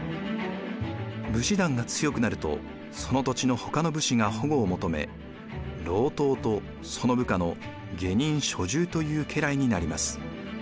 武士団が強くなるとその土地のほかの武士が保護を求め郎党とその部下の下人・所従という家来になります。